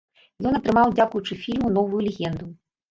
Ён атрымаў, дзякуючы фільму, новую легенду.